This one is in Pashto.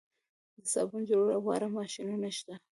د صابون جوړولو واړه ماشینونه شته